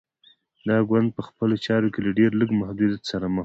دا ګوند په خپلو چارو کې له ډېر لږ محدودیت سره مخ و.